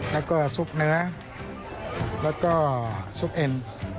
แล้วก็ซุปเนื้อแล้วก็ซุปเอ็น